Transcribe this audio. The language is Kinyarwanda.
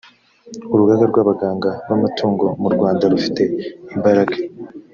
urugaga rw ‘abaganga b’ amatungo mu rwanda rufite imbaraga.